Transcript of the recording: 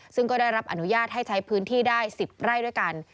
ซึ่งก็ได้รับอนุญาตให้ใช้พื้นที่ได้๑๐ไร่ด้วยกัน